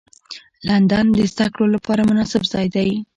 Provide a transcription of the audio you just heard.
لندن د زدهکړو لپاره مناسب ځای دی